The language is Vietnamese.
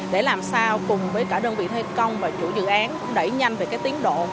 để làm sao cùng với cả đơn vị thi công và chủ dự án đẩy nhanh về cái tiến độ